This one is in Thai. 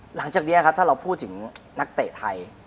หลังจากนี้ครับถ้าเราพูดถึงนักเตะไทย